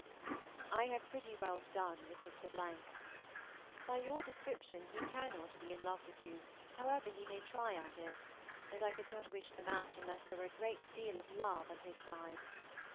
I have pretty well done with Mr. . By your description, he cannot be in love with you, however he may try at it; and I could not wish the match unless there were a great deal of love on his side.